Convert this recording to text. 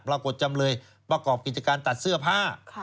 จำเลยประกอบกิจการตัดเสื้อผ้า